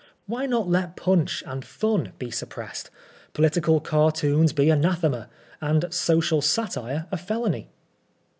Why not let Pwnch and Fun be suppressed, political cartoons be Anathema, and social satire a felony